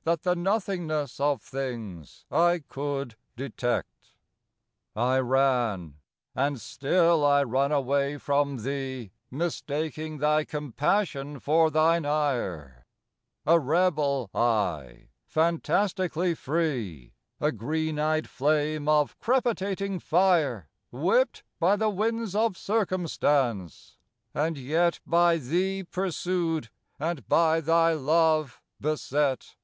— That the nothingness of things I could detect. Ill I ran and still I run away from Thee, Mistaking Thy compassion for Thine ire;— A rebel I, fantastically free, A green eyed flame of crepitating fire Whipped by the winds of Circumstance, and yet By Thee pursued and by Thy love beset.